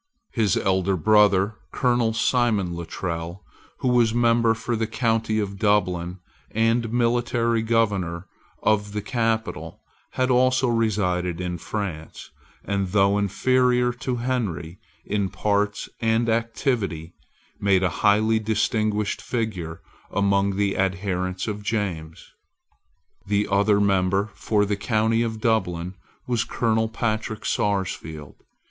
His elder brother, Colonel Simon Luttrell, who was member for the county of Dublin, and military governor of the capital, had also resided in France, and, though inferior to Henry in parts and activity, made a highly distinguished figure among the adherents of James. The other member for the county of Dublin was Colonel Patrick Sarsfield.